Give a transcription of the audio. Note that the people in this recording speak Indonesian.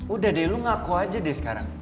udah deh lu ngaku aja deh sekarang